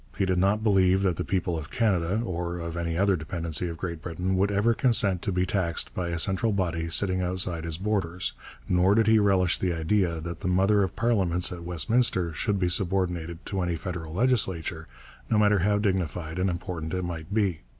He did not believe that the people of Canada or of any other dependency of Great Britain would ever consent to be taxed by a central body sitting outside its borders, nor did he relish the idea that the mother of parliaments at Westminster should be subordinated to any federal legislature, no matter how dignified and important it might be.